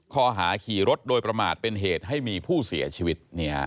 ข้อหาขี่รถโดยประมาทเป็นเหตุให้มีผู้เสียชีวิต